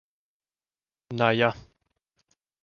Na ja.